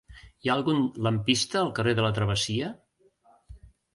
Hi ha algun lampista al carrer de la Travessia?